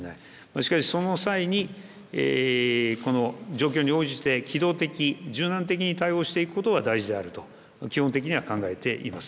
しかし、その際にこの状況に応じて機動的、柔軟的に対応していくことが大事であると基本的には考えてあります。